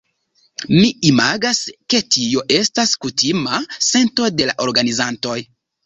Mi imagas, ke tio estas kutima sento de la organizantoj.